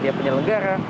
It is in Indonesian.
baik dari penyelenggara